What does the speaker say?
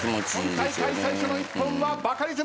今大会最初の一本はバカリズム！